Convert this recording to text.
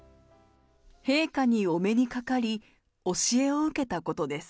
陛下にお目にかかり、教えを受けたことです。